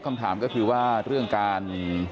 คำถามก็คือว่าเรื่องการ